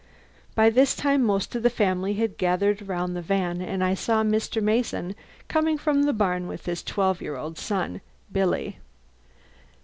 By this time most of the family had gathered around the van, and I saw Mr. Mason coming from the barn with his twelve year old Billy.